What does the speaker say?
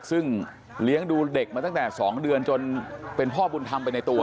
ซึ่งเลี้ยงดูเด็กมาตั้งแต่๒เดือนจนเป็นพ่อบุญธรรมไปในตัว